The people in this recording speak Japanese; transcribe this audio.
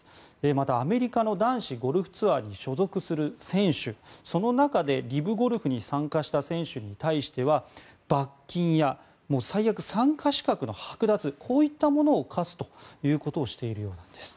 また、アメリカの男子ゴルフツアーに所属する選手その中でＬＩＶゴルフに参加した選手に対しては罰金や最悪参加資格のはく奪こういったものを科すということをしているようなんです。